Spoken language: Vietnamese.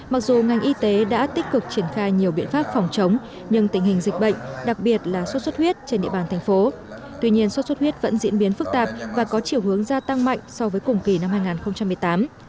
mặc dù ngành y tế đã tích cực triển khai nhiều biện pháp phòng chống nhưng tình hình dịch bệnh đặc biệt là sốt xuất huyết trên địa bàn thành phố tuy nhiên sốt xuất huyết vẫn diễn biến phức tạp và có chiều hướng gia tăng mạnh so với cùng kỳ năm hai nghìn một mươi tám